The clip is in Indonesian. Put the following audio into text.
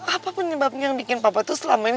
apa penyebabnya yang bikin papa itu selama ini